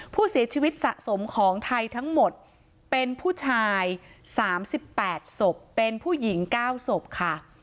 ผู้เสียชีวิตสะสมของไทยทั้งหมดเป็นผู้ชาย๓๘ศพเป็นผู้หญิง๙ศพค่ะ